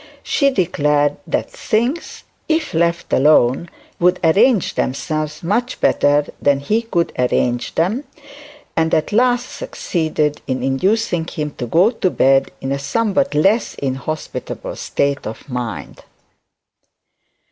She declared that things, if left alone, would arrange themselves much better than he could arrange them; and at last succeeded in inducing him to go to bed in a somewhat less inhospitable state of mind.